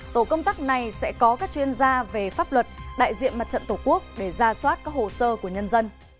tổ công tác này sẽ có các chuyên gia về pháp luật đại diện mặt trận tổ quốc để ra soát các hồ sơ của nhân dân